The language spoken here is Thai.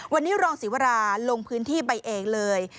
วันนี้รองศิวราลงพื้นที่ไปเองเลย